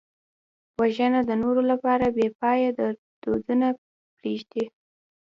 وژنه د نورو لپاره بېپایه دردونه پرېږدي